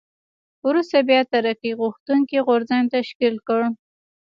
وروسته بیا ترقي غوښتونکی غورځنګ تشکیل کړ.